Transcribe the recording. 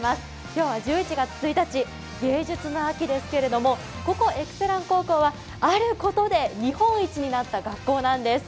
今日は１１月１日、芸術の秋ですけれどもここエクセラン高校は、あることで日本一になった高校なんです。